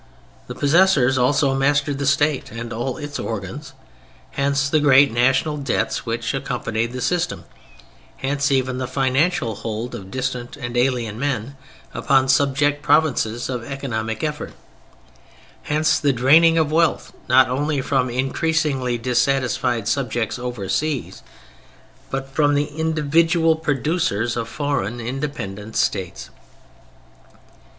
The possessors also mastered the state and all its organs—hence the great National Debts which accompanied the system: hence even the financial hold of distant and alien men upon subject provinces of economic effort: hence the draining of wealth not only from increasingly dissatisfied subjects over seas, but from the individual producers of foreign independent states.